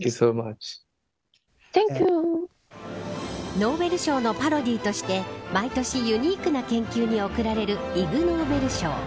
ノーベル賞のパロディーとして毎年、ユニークな研究に贈られるイグ・ノーベル賞。